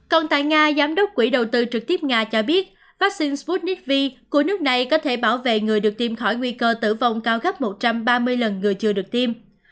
còn tại nga giám đốc quỹ đầu tư trực tiếp nga cho biết vaccine sputnik v của nước này có thể bảo vệ người được tiêm khỏi nguy cơ tử vong cao gấp một trăm ba mươi lần người chưa được tiêm